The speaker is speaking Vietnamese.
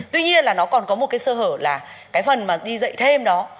tuy nhiên là nó còn có một cái sơ hở là cái phần mà đi dạy thêm đó